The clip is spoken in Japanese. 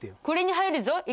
これに入るゾ？